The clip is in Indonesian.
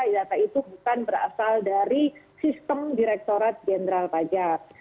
data itu bukan berasal dari sistem direktorat jenderal pajak